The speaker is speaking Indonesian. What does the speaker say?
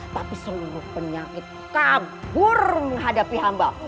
tapi sungguh penyakit kabur menghadapi hamba